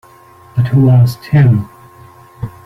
But who asked him?